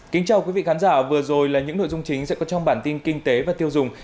kính chào quý vị khán giả vừa rồi là những nội dung chính sẽ có trong bản tin kinh tế và tiêu dùng